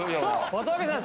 小峠さん